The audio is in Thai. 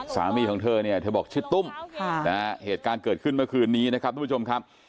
สามีของเธอเนี่ยเธอบอกชื่อตุ้มเหตุการณ์เกิดขึ้นเมื่อคืนนี้นะครับทุกผู้ชมครับ